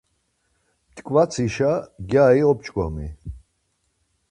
P̌t̆ǩvatsişa gyari op̌ç̌ǩomi.